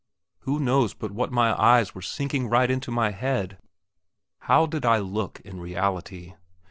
Who knows but that my eyes were sinking right into my head? How did I look in reality?